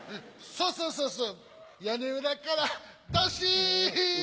そうそうそうそう屋根裏からドシン！